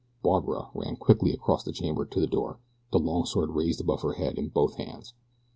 Barbara ran quickly across the chamber to the door, the long sword raised above her head in both hands.